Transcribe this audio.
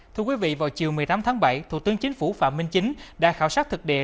thưa quý vị vào chiều một mươi tám tháng bảy thủ tướng chính phủ phạm minh chính đã khảo sát thực địa